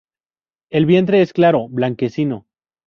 El vientre es claro, blanquecino.